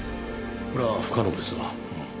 これは不可能ですな。